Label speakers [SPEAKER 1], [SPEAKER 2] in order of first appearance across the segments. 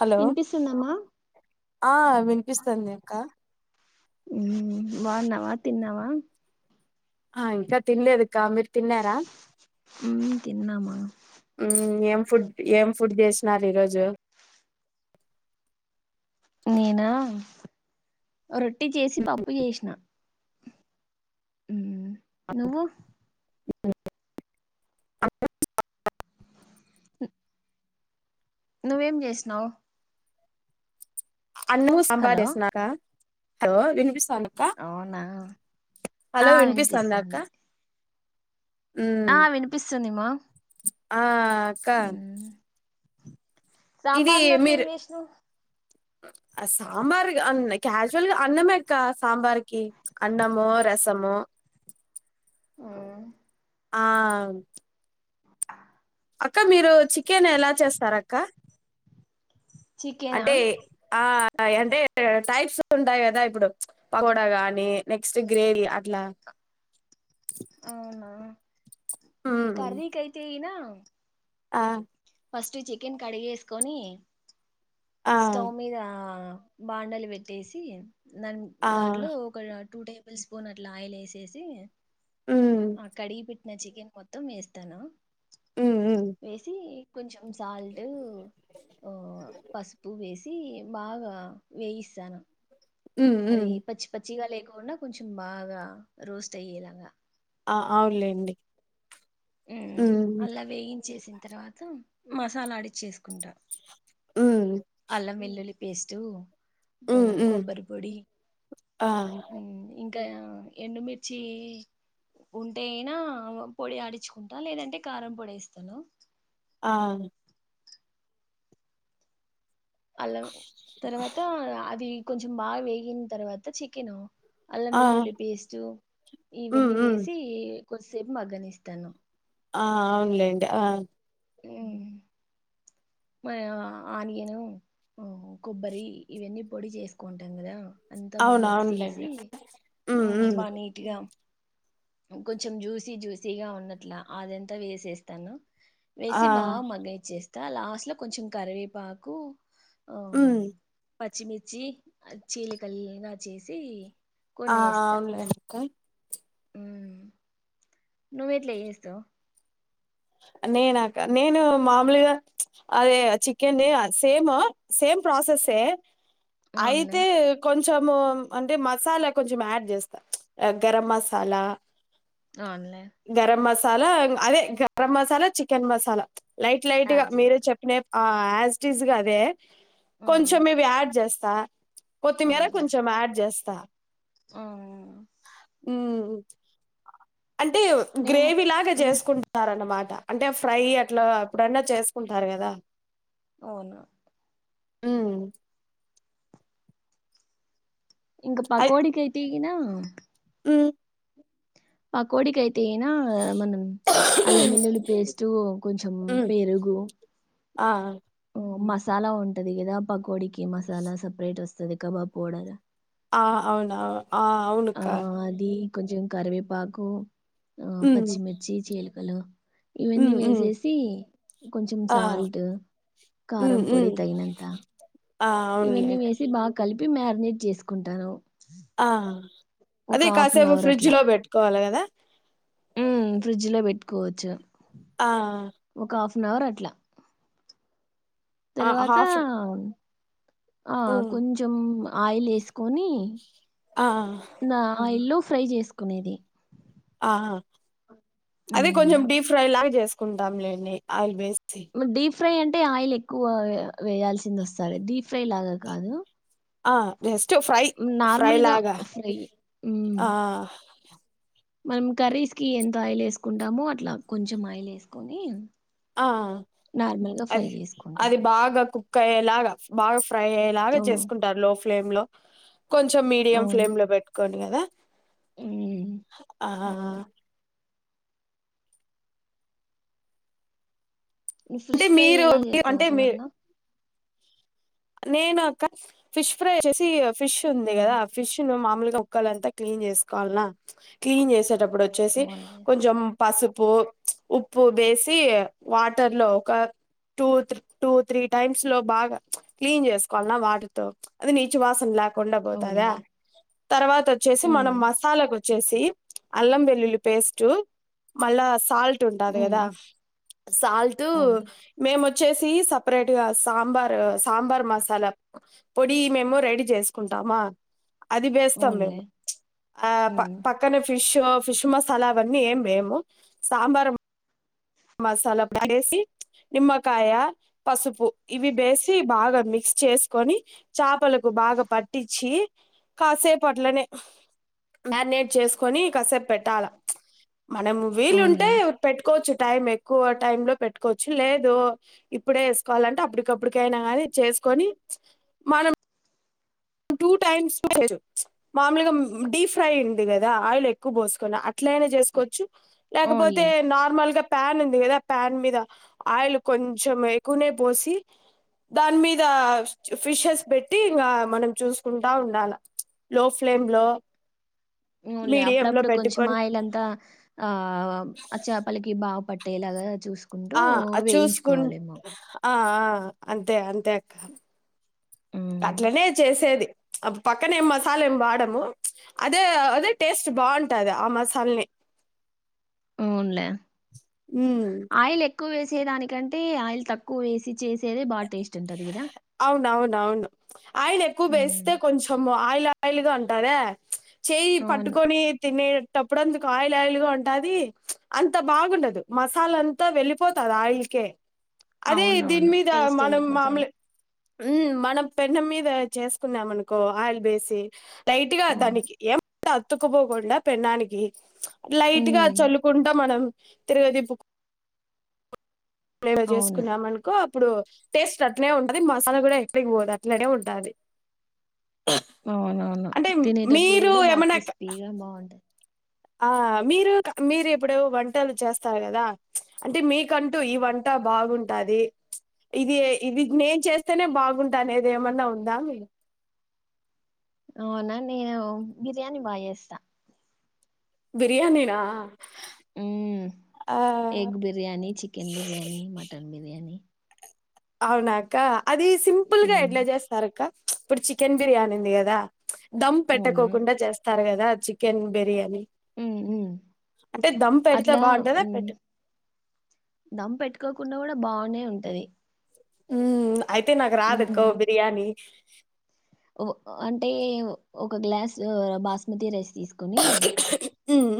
[SPEAKER 1] Hello
[SPEAKER 2] వినిపిస్తుందమ్మా
[SPEAKER 1] ఆ వినిపిస్తుంది ఇంకా
[SPEAKER 2] బాణావ తిన్నావా
[SPEAKER 1] ఆ ఇంకా తిన్నాలేదు కా మీర్ తిన్నారా
[SPEAKER 2] మ్మ్ తిన్నామా
[SPEAKER 1] మ్ ఏం ఫుడ్, ఏం ఫుడ్ చేసినారు ఈ రోజు?
[SPEAKER 2] నేనా రొట్టె చేసి పప్పు చేసిన ఉమ్ నువ్వు
[SPEAKER 1] [inaudible]
[SPEAKER 2] నువ్వేం జేసినవు?
[SPEAKER 1] అన్నము సాంబార్
[SPEAKER 2] హలో
[SPEAKER 1] జేస్నాక్క హలో ఇనిపిస్
[SPEAKER 2] అవునా ఆ
[SPEAKER 1] హలో వినిపిస్తాందా అక్క
[SPEAKER 2] వినిపిస్తుంది
[SPEAKER 1] మ్మ్
[SPEAKER 2] ఆ వినిపిస్తుంది మ్మా
[SPEAKER 1] ఆ అక్కా
[SPEAKER 2] సాంబార్ లోకి ఏం జేసినవ్?
[SPEAKER 1] ఆ సాంబార్ అన్న క్యాజువల్ గా అన్నమేక్క ఆ సాంబార్కి అన్నము, రసము
[SPEAKER 2] ఆ
[SPEAKER 1] ఆ అక్క మీరు చికెన్ ఎలా చేస్తారక్క?
[SPEAKER 2] చికెనా
[SPEAKER 1] అంటే ఆ టాయ్ అంటే టైప్స్ ఉంటాయి గదా ఇప్పుడు పకోడా గానీ నెక్స్ట్ గ్రేవీ అట్లా
[SPEAKER 2] అవునా
[SPEAKER 1] మ్మ్
[SPEAKER 2] కర్రీ కైతే ఈనా అ
[SPEAKER 1] ఆ
[SPEAKER 2] ఫస్ట్ చికెన్ కడిగేసుకొని
[SPEAKER 1] ఆ
[SPEAKER 2] స్టౌ మీద బాండలి పెట్టేసి దాన్ ముక్
[SPEAKER 1] ఆ
[SPEAKER 2] దాంట్లో ఒక టూ టేబు ఫుల్ స్పూన్ అట్లా ఆయిల్ వేసేసి
[SPEAKER 1] హ్మ్
[SPEAKER 2] ఆ కడిగి పెట్ న చికెన్ మొత్తం ఏస్తాను.
[SPEAKER 1] హ్మ్ హ్మ్
[SPEAKER 2] ఏసి కొంచెం సాల్ట్ పసుపు వేస్ బాగా వేయిస్తాను
[SPEAKER 1] హ్మ్ హ్మ్.
[SPEAKER 2] అది పచ్చి పచ్చిగా లే కుండా కొంచెం బాగా రోస్ట్ అయ్యేలాగా
[SPEAKER 1] ఆ అవునులేండి
[SPEAKER 2] మ్మ్
[SPEAKER 1] హ్మ్.
[SPEAKER 2] అలా వేగించేసింది తర్వాత మసాలా అడిచ్చేసుకుంటా
[SPEAKER 1] హ్మ్.
[SPEAKER 2] అల్లం, వెల్లుల్లి పేస్టు
[SPEAKER 1] హ్మ్. హ్మ్.
[SPEAKER 2] కొబ్బరి పొడి
[SPEAKER 1] ఆ!
[SPEAKER 2] ఇంకా ఎండుమిర్చి ఉంటే అయినా పొడి ఆడించుకుంటా లేదంటే కారం పొడి వేస్తాను
[SPEAKER 1] ఆ
[SPEAKER 2] అల్లం తర్వాత అలా ఆది కొంచెం బా వేగిన తర్వాత చికెను అల్లం,
[SPEAKER 1] ఆ!
[SPEAKER 2] వెల్లుల్లి పేస్టు
[SPEAKER 1] హ్మ్.
[SPEAKER 2] ఇవన్నీ
[SPEAKER 1] హ్మ్.
[SPEAKER 2] వేసి కొసేపు మగ్గనిస్తాను
[SPEAKER 1] ఆ అవునులేండి ఆ
[SPEAKER 2] మ్మ్ మ ఆనియను, కొబ్బరి ఇవన్నీ పొడి చేసుకుంటాం కదా అంతా బాగా మిక్సీ చేసి
[SPEAKER 1] అవునవునులేండి. హ్మ్. హ్మ్.
[SPEAKER 2] బాగా నీట్గా కొంచెం జ్యూసీ జ్యూసీగా ఉన్నట్లా అదంతా వేసేస్తాను
[SPEAKER 1] ఆ!
[SPEAKER 2] వేసి బాగా మగ్గనిచ్చేస్ త లాస్ట్ కొంచం కరివేపాకు ఆ
[SPEAKER 1] మ్మ్
[SPEAKER 2] పచ్చిమిర్చి చీలికల్గా చేసి
[SPEAKER 1] ఆఆ అవులే [unintelligible]
[SPEAKER 2] నువ్ ఎట్ల చేస్తావ్
[SPEAKER 1] నేనాక నేను మామూలుగా అదే చికెన్ సేమ్ సేమ్ ప్రాసెసే
[SPEAKER 2] అవునులే
[SPEAKER 1] అయితే కొం చెము అంటే మసాలా కొంచం యాడ్ చేస్తా గరం మసాలా
[SPEAKER 2] అవున్లే
[SPEAKER 1] అలా అదే ఇంకా garam masala, chicken masala light light గా
[SPEAKER 2] యాడ్
[SPEAKER 1] మీరే
[SPEAKER 2] చేస్తాం
[SPEAKER 1] చెప్పిన ఆ ఆస్టీస్గా అదే కొంచమే వ్యాడ్ జస్ త్సా కొత్తిమీర కొంచెం యాడ్ చేస్ త్త
[SPEAKER 2] ఆ ఆ
[SPEAKER 1] ఉమ్ అంటే
[SPEAKER 2] మేము
[SPEAKER 1] గ్రేవి లాగా
[SPEAKER 2] ఉమ్,
[SPEAKER 1] చేసుకుంట్ మాట అంటే ఫ్రై అట్లా ఎప్పుడన్నా చేసుకుంటారు గదా
[SPEAKER 2] అవునా
[SPEAKER 1] ఉమ్
[SPEAKER 2] ఇంక
[SPEAKER 1] అయి
[SPEAKER 2] పకోడికైతె ఇనా
[SPEAKER 1] ఉమ్
[SPEAKER 2] పకోడికైత్ తేనా మనం అల్లమేల్లులి పేస్టు, కొంచెం పెరుగు
[SPEAKER 1] ఆఆ
[SPEAKER 2] ఓ, మసాలా ఉంటది గదా పకోడికి మసాలా సపరేట్ వస్తది, కబాబ్ పౌడర్
[SPEAKER 1] అ అవునావ్ ఆ
[SPEAKER 2] ఆ
[SPEAKER 1] అవునుక్క
[SPEAKER 2] అది కొంచెం కరివేపాకు ఆ
[SPEAKER 1] ఉమ్
[SPEAKER 2] పచ్చిమిర్చి చీలిక్ హలో ఇవన్నీ
[SPEAKER 1] ఉమ్ ఉమ్
[SPEAKER 2] వేసేసి కొంచెం
[SPEAKER 1] ఆ
[SPEAKER 2] సాల్ట్,
[SPEAKER 1] ఉమ్
[SPEAKER 2] కారం పొడి
[SPEAKER 1] ఉమ్
[SPEAKER 2] తగినంత.
[SPEAKER 1] ఆ
[SPEAKER 2] ఇవన్నీ
[SPEAKER 1] అవునులే
[SPEAKER 2] వేసి బాకలిప్ ప్పి మ్యారినేట్ జేసుకుంటాను.
[SPEAKER 1] ఆ అదే
[SPEAKER 2] అన్
[SPEAKER 1] కాసేపు
[SPEAKER 2] అవర్
[SPEAKER 1] ఫ్రిడ్జ్
[SPEAKER 2] అట్లా
[SPEAKER 1] లో పెట్టుకోవాలె గదా?
[SPEAKER 2] ఉమ్ ఫ్రిడ్జ్ లో పెట్ కోవచ్చు
[SPEAKER 1] ఆ ఆ
[SPEAKER 2] ఫనవర్ అట్లా
[SPEAKER 1] ఆ
[SPEAKER 2] తర్వాతా
[SPEAKER 1] హాఫ్
[SPEAKER 2] ఆ
[SPEAKER 1] ఉమ్
[SPEAKER 2] కొంచం ఆయిల్ ఏసు కొని
[SPEAKER 1] ఆ
[SPEAKER 2] ఇంగ ఆయిల్లో ఫ్రై చేసుకునేది
[SPEAKER 1] ఆ అదే
[SPEAKER 2] ఉమ్
[SPEAKER 1] కొంచెం డీప్ ఫ్రై లాగా చేస్తా తీకుంటాం లేండి ఆయిల్ బేస్
[SPEAKER 2] మ డీప్ ఫ్రై అంటే ఆయిల్ ఎక్కువ వేయాల్సి వస్తుంది డీప్ ఫ్రై లాగా కాదు
[SPEAKER 1] ఆ అ ఫ్రై
[SPEAKER 2] నార్మల్గా
[SPEAKER 1] ఫ్రైలాగా
[SPEAKER 2] ఫ్రై మ్మ్.
[SPEAKER 1] ఆ
[SPEAKER 2] మనం కర్రీస్ కి ఎంత ఆయిల్ వేసుకుంటామో అట్లా కొంచెం ఆయిల్ వేసుకొని
[SPEAKER 1] ఆ
[SPEAKER 2] నార్మల్ గా ఫ్రై
[SPEAKER 1] అదే
[SPEAKER 2] చేసుకుంటాం
[SPEAKER 1] అది బాగా కు కుక్ అయ్యేలాగా బాగా ఫ్రై అయ్యేలాగా
[SPEAKER 2] అవును
[SPEAKER 1] చేసుకుంటారు లో ఫ్లేమ్ లో కొంచెం మీడియం
[SPEAKER 2] అవును
[SPEAKER 1] ఫ్లేమ్ లో పెట్టుకోండి కదా
[SPEAKER 2] మ్మ్. అవును
[SPEAKER 1] ఆహ
[SPEAKER 2] నువ్వు
[SPEAKER 1] అంటే
[SPEAKER 2] ఫ్రిష్ ఫ్రై
[SPEAKER 1] మీరు
[SPEAKER 2] ఎలా
[SPEAKER 1] మీరు-
[SPEAKER 2] చేస్తావు
[SPEAKER 1] అంటే మీ
[SPEAKER 2] సువర్ణ
[SPEAKER 1] నేను అక్క ఫిష్ ఫ్రై వచ్చేసి ఫిష్ ఉంది
[SPEAKER 2] మ్మ్.
[SPEAKER 1] కదా ఫిష్ ను మామూలుగా ఒక్కలంతా క్లీన్ చేసుకోవాల్నా క్లీన్ చేసే అప్పుడు వచ్చేసి
[SPEAKER 2] అవునులే
[SPEAKER 1] కొంచెం పసుపు ప్చ్ ఉప్పు వేసి వాటర్ లో ఒక టూ త టూ త్రీ టైమ్స్ లో బాగా క్లీన్ చేసుకోవాలిన్నా వాటర్తో అది నీచు వాసన లేక్ కుండా పోతాదా
[SPEAKER 2] అవునులే
[SPEAKER 1] తర్వాత వచ్చేసి
[SPEAKER 2] మ్మ్.
[SPEAKER 1] మనం మసాలాకు వ వచ్చేసి అల్లం వెల్లుల్లి పేస్ట్ మళ్ళా సాల్ట్ ఉంటది
[SPEAKER 2] మ్మ్.
[SPEAKER 1] కదా సాల్ట్
[SPEAKER 2] అవును
[SPEAKER 1] మేమూ వచ్చేసి సపరేట్ గా సాంబార్ సాంబార్ మసాలా పొడి మేము రెడీ చేసుకుంటామా అది వేస్తాం
[SPEAKER 2] అవునులే
[SPEAKER 1] మేము ప్చ్ ఆ
[SPEAKER 2] మ్మ్.
[SPEAKER 1] పక్కన ఫిష్ ఫిష్ మసాలా అవన్నీ ఏం వేయము సాంబార్ మసాలా వేసి నిమ్మకాయ పసుపు ఇవి వేసి బాగా మిక్స్ చేసుకొని చేపలకు బాగా పట్టించి కాసేపట్లనే మ్యారినేట్ చేసుకొని కాసేపు పెట్టాల మనం వీలుంటే
[SPEAKER 2] అవునులే
[SPEAKER 1] పెట్టుకోవచ్చు టైం ఎక్కువ టైమ్ లో పెట్టుకోవచ్చు లేదు ఇప్పుడే వేసుకోవాలంటే అప్పటికప్పుటికైనా కానీ చేసుకొని ప్చ్ మనం టూ టైమ్స్ వేరు ప్చ్ మామూలుగా డీప్ ఫ్రై అయింది కదా ఆయిల్ ఎక్కువ పోసుకొని అట్లనే చేసుకోవచ్చు లేకపోతే
[SPEAKER 2] అవునులే
[SPEAKER 1] నార్మల్ గా ప్యాన్ ఉంది కదా ఆ ప్యాన్ మీద ఆయిల్ కొంచెం ఎక్కువనే పోసి దాని మీద ఫిషెస్ పెట్టి ఇంకా మనం చూసుకుంటా ఉండాల లో ఫ్లేమ్ లో
[SPEAKER 2] ఉనులే
[SPEAKER 1] మీడియం లో
[SPEAKER 2] అప్పుడప్పుడు కొంచెం
[SPEAKER 1] పెట్టుకొని
[SPEAKER 2] ఆయిల్ అంత ఆ చాపలకి బాగా పట్టు ట్టే లాగా
[SPEAKER 1] ఆ చూసుకుంట ఆ ఆ అంతే అంతే అక్క
[SPEAKER 2] ఉమ్
[SPEAKER 1] అట్లనే చేసేది అ పక్కనే ఏం మసాలా ఏమి వాడము అదే అదే టేస్ట్ బాగుంటది ఆ మసాలానే
[SPEAKER 2] అవునులే ఆయిల్ ఎక్కువ వేసి వేసే దానికంటే ఆయిల్ తక్కువ వేసి చేసి
[SPEAKER 1] అవునవున అవును ఆయన ఎక్కువ
[SPEAKER 2] ఉమ్
[SPEAKER 1] వేస్తే కొంచెము ఆ ఆయిల్ ఆయిల్ గా ఉంటాదా చేయి
[SPEAKER 2] అవును
[SPEAKER 1] పట్టుకొని తినే ఆప్పుడుందుకు ఆయిల్ ఆయిల్ గా ఉంటది అంత బాగుండదు మసాలా అంతా వెళ్లిపోతాది ఆయిల్కే అదే
[SPEAKER 2] అవునవును టేస్టెల్లిపోతది
[SPEAKER 1] ఊ మనం పెన్నం మీద చేస్కుకున్నామనుకో ఆయిల్ బేసి లైటగా
[SPEAKER 2] అవును
[SPEAKER 1] దానికి ఎం అత్తుకుపోకుండా పెన్నానికి లైట గా
[SPEAKER 2] ఉమ్
[SPEAKER 1] చల్లుకుంటం మనం తిరగతిబుక్ లేవ
[SPEAKER 2] అవును
[SPEAKER 1] జేస్కున్నామనుకో ఇప్పుడు టేస్ట్ అట్నే ఉంటది మసాలా గూడా ఎక్కడికి బోదు అట్లనే ఉంటాది
[SPEAKER 2] అవునవును తినేడప్పుడు గూడా బాగ్
[SPEAKER 1] ఏమన్నా
[SPEAKER 2] క్రిస్పీగా బావుంటది
[SPEAKER 1] ఆ మీరు క మీరు ఇప్పుడు వంటలు చేస్తారు కదా అంటే మీకంటూ ఈ వంట బాగుంటాది ఇది ఇది నేన్చేస్తేనే బాగుంటనేది ఏమన్నా ఉందా మీ
[SPEAKER 2] అవునా నేను బిర్యానీ బా జేస్తా
[SPEAKER 1] బిర్యానీనా
[SPEAKER 2] ఊం
[SPEAKER 1] ఆ
[SPEAKER 2] egg biryani chicken biryani mutton biryani
[SPEAKER 1] అవునాక్క అదీస్ సింపుల్గా
[SPEAKER 2] ఉమ్
[SPEAKER 1] ఎట్ల జేస్తారక్క ఇప్పుడు చికెన్ బిర్యానుంది గదా దమ్
[SPEAKER 2] అవునా
[SPEAKER 1] పెట్టకోకుండా చేస్తారు గద దా చికెన్ బిర్యానీ
[SPEAKER 2] ఊం ఊం
[SPEAKER 1] అంటే దమ్ పెడితే
[SPEAKER 2] అట్లా
[SPEAKER 1] బాగుంటదా
[SPEAKER 2] ఉం
[SPEAKER 1] పె
[SPEAKER 2] దమ్ పెట్టుకోకుండా కూడా బానే ఉంటది
[SPEAKER 1] ఊ అయితె నాక రాదుక్కో బిర్యానీ
[SPEAKER 2] ఓ అంటే ఒక గ్లాస బాస్మతి రైస్ తీస్కునీ
[SPEAKER 1] మ్మ్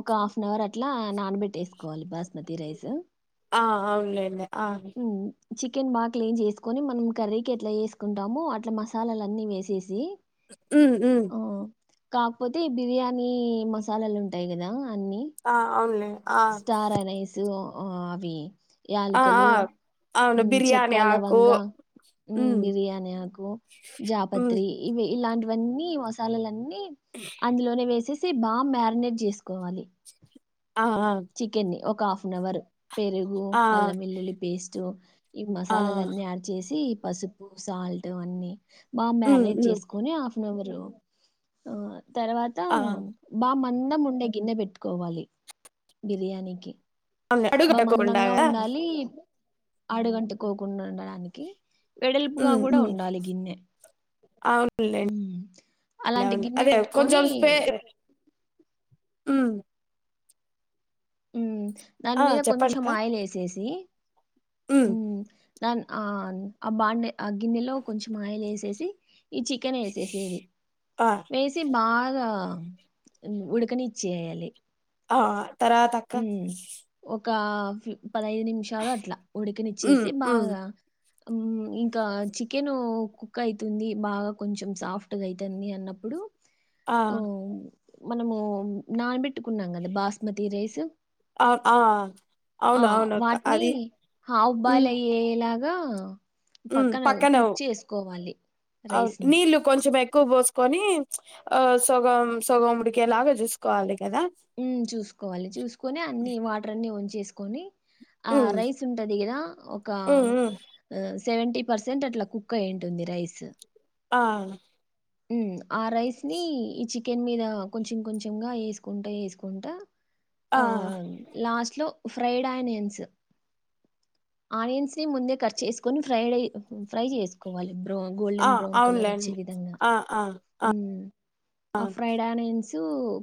[SPEAKER 2] ఒకా నవరట్లా నానబెట్టేస్కోవాలి బాస్మతి రైస
[SPEAKER 1] ఆ అవున్లెండి ఆ
[SPEAKER 2] చికెన్ బా క్లీన్ జేస్కొని మనం కర్రీకి ఎట్ల యేస్కుంటామో అట్ల మసాలాలన్ని వేసేసి
[SPEAKER 1] ఉమ్మ్ ఉమ్మ్
[SPEAKER 2] కాక్పోతే బిర్యానీ మసాలలుం ది గదా
[SPEAKER 1] ఆ అవున్లే
[SPEAKER 2] స్టార అనేసి ఓ ఆ అవి
[SPEAKER 1] ఆ!
[SPEAKER 2] యాలకలు
[SPEAKER 1] ఆ! అవును. బిర్యానీ
[SPEAKER 2] చెక్క
[SPEAKER 1] ఆకు.
[SPEAKER 2] లవంగా
[SPEAKER 1] హ్మ్.
[SPEAKER 2] బిర్యానీ ఆకు
[SPEAKER 1] హ్మ్.
[SPEAKER 2] జాపత్రి ఇవి ఇలాంటి ఇవన్నీ మసాలాలన్నీ అందులోనే వేసి బామారినేట్ చేసుకోవాలి
[SPEAKER 1] ఆ! ఆ!
[SPEAKER 2] చికెన్ని ఓ ఒక హాఫనవర్ పెరుగు
[SPEAKER 1] ఆ!
[SPEAKER 2] అల్లంవెల్లులి పేస్టు ఈ
[SPEAKER 1] ఆ!
[SPEAKER 2] మసాలాలన్నీ యాడ్ చేసి పసుపు సాల్ట్ అన్నీ బాగా
[SPEAKER 1] హ్మ్.
[SPEAKER 2] మ్యారినేట్
[SPEAKER 1] హ్మ్.
[SPEAKER 2] చేసుకుని ఆఫ్ అవరు ఆ తర్వాత
[SPEAKER 1] ఆ!
[SPEAKER 2] బామ్ అన్నంమొండే గిన్నె పెట్టుకోవాలి బిర్యానీకి
[SPEAKER 1] అ అడుగంటకుండగదా
[SPEAKER 2] ఆడుగంటుకోకుండా ఉండడానికి వెడల్పుగా
[SPEAKER 1] హ్మ్.
[SPEAKER 2] కూడా
[SPEAKER 1] హ్మ్.
[SPEAKER 2] ఉండాలి గిన్నె
[SPEAKER 1] అవునులెండి.
[SPEAKER 2] ఉమ్ అలాంటి
[SPEAKER 1] అవును.
[SPEAKER 2] గిన్నె
[SPEAKER 1] అదే
[SPEAKER 2] పెట్టుకొని
[SPEAKER 1] ఉమ్
[SPEAKER 2] ఉమ్ దాని
[SPEAKER 1] ఆ!
[SPEAKER 2] మీద కొంచెం ఆయిల్ వేసేసి
[SPEAKER 1] ఉమ్
[SPEAKER 2] దాన్ ఆ ఆ బాండీ ఆ గిన్నెలో కొంచెం ఆయిలు ఏసేసి ఈ చికెన్ వేసేసేది
[SPEAKER 1] ఆ!
[SPEAKER 2] వేసి బాగా ఆ ఉడకనిచ్చి ఎయ్యాలి
[SPEAKER 1] ఆ తర్వాత అక్కా
[SPEAKER 2] కాఫీ పదహైదు నిమిషాలు అట్లా
[SPEAKER 1] హ్మ్.
[SPEAKER 2] ఉడకనిచ్చేసి
[SPEAKER 1] హ్మ్.
[SPEAKER 2] బాగా ఉమ్ ఇంకా చికెన్ కుక్ అయితుంది బాగా కొంచెం సాఫ్ట్గా అయితుంది అన్నప్పుడు
[SPEAKER 1] ఆ!
[SPEAKER 2] ఓ మనము నానబెట్టుకున్నాం కదా బాస్మతి రైస్ [inaudible]
[SPEAKER 1] ఆ! ఆ!
[SPEAKER 2] ఆ
[SPEAKER 1] అవునవునక్క.
[SPEAKER 2] వాటిని
[SPEAKER 1] అది హ్మ్.
[SPEAKER 2] హాఫుబాయిలు అయ్యేలాగా పక్కన కుక్ చేసుకోవాలి రైస్ ని
[SPEAKER 1] క్కు పోసుకొని ఆ సగం సగముడికె లాగా చూసుకోవాలి కదా
[SPEAKER 2] మ్మ్ చూసుకోవాలి చూసుకుని అన్ని వాటర్ అన్ని ఉంచ చేసుకొని ఆ
[SPEAKER 1] ఉమ్
[SPEAKER 2] రైస్ ఉంటది కదా ఒక
[SPEAKER 1] ఉమ్ ఉమ్
[SPEAKER 2] ఆ సెవెంటీ పర్సెంట్ అట్లా కుక్ అయ ఉంటుంది రైస్
[SPEAKER 1] ఆ
[SPEAKER 2] ఉ ఆ రైస్ ని ఈ చె కెన్ మీద కొంచెం కొంచెంగా వేసుకుంట వేసుకుంటా ఆ లాస్ట్ లో ఫ్రైడ్ ఆనియన్స్ ఆనియన్స్ ని ముందే కట్ చేసుకొని ఫ్రైడ్ ఫ్రై చేసుకోవాలి బ్రౌన్
[SPEAKER 1] ఆ
[SPEAKER 2] గోల్డెన్ బ్రౌన్ కలర్ వచ్చే
[SPEAKER 1] అవునులేండి
[SPEAKER 2] విధంగా
[SPEAKER 1] ఆ ఆ
[SPEAKER 2] ఆ ఫ్రైడాని సు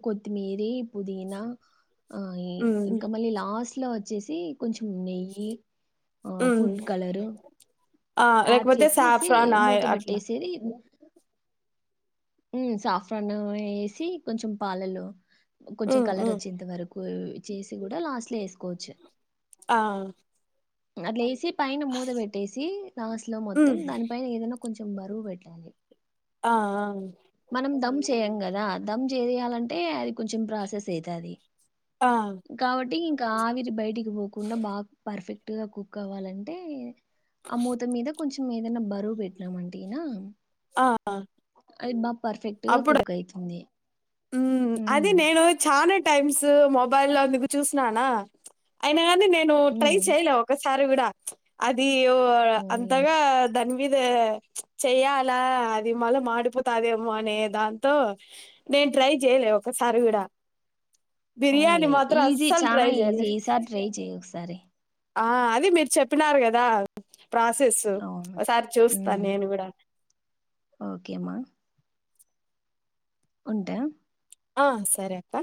[SPEAKER 2] కొత్తిమీర పుదీనా ఆ
[SPEAKER 1] ఉమ్
[SPEAKER 2] ఇంకా మళ్ళీ లాస్ట్ ఇట్లా వచ్చేసి కొంచెం నెయ్యి ఆ
[SPEAKER 1] ఉమ్
[SPEAKER 2] ఫుడ్ కలరు
[SPEAKER 1] ఆ
[SPEAKER 2] యాడ్
[SPEAKER 1] లేకపోతే
[SPEAKER 2] చేససి
[SPEAKER 1] సాఫ్రాన్
[SPEAKER 2] మూత
[SPEAKER 1] ఆయిల్ అట్లా
[SPEAKER 2] పెట్టేసేది సాఫ్రాను వేసి కొంచెం పాలలు కొంచెం
[SPEAKER 1] ఉమ్
[SPEAKER 2] కలర్
[SPEAKER 1] ఉమ్
[SPEAKER 2] వచ్చేంత వరకు చేసి కూడా లాస్ట్ లో వేసుకోవచ్చు
[SPEAKER 1] ఆ
[SPEAKER 2] అట్లేసి పైన మూత పెట్టేసి లాస్ట్ లో మొత్తం
[SPEAKER 1] ఉమ్
[SPEAKER 2] దాని పైన ఏదైనా కొంచెం బరువు పెట్టాలి
[SPEAKER 1] ఆ
[SPEAKER 2] మనం దమ్ చేయం కదా అర్ధం చేయాలంటే అది కొంచెం ప్రాసెస్ అవుతుది
[SPEAKER 1] ఆ
[SPEAKER 2] కావటి ఆవిరి భయటిక్ పోకుండా బా పర్ఫెక్ట్ ఎక్టుగా కుక్ అవ్వాలంటే ఆమూత మీద కొంచెం ఏదైనా బరువు పెట్నామ అంటేనా
[SPEAKER 1] అఆ
[SPEAKER 2] అది మా పర్ఫెక్ట్ గ కుక్ అయితుంది
[SPEAKER 1] ఉ అది
[SPEAKER 2] హ్మ్.
[SPEAKER 1] నేను చానట్ టైమ్స్ మొబైల్దకు చూసిననా అయిన అని నేను ట్రై
[SPEAKER 2] హ్మ్.
[SPEAKER 1] చేయలే ఒకస చారి కూడ అది యో
[SPEAKER 2] అవునులే.
[SPEAKER 1] అంతగా దాన్ని ఇదె చెయ్యాలా అది మళ్ళి మాడిపోతదేమో అనే దాంతో నేను ట్రై చేయలే ఒకసారి కూడ
[SPEAKER 2] ఓన్లీ ఈజీ చనా
[SPEAKER 1] జేయలే.
[SPEAKER 2] ఈజీ ఈసారి ట్రై చెయ్ ఒకసారి
[SPEAKER 1] ఆ అది మీరు చెప్పినారు కదా ప్రాసెస్స్
[SPEAKER 2] అవును.
[SPEAKER 1] ఓసారి చూస్తా నేను కూడా
[SPEAKER 2] ఓకేమా ఉంటా
[SPEAKER 1] ఆ సరే అక్క